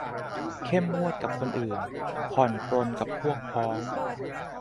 เข้มงวดกับคนอื่น ผ่อนปรนกับพวกพ้อง